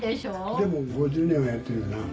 でも５０年はやってるよな？